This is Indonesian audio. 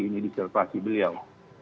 ini diservasi beliau